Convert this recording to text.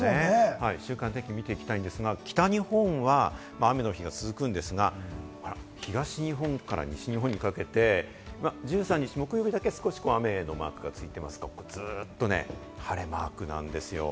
週間天気を見ていきたいんですが、北日本は雨の日が続くんですが、東日本から西日本にかけて、１３日木曜日だけ少し雨のマークがついていますが、ずっとね、晴れマークなんですよ。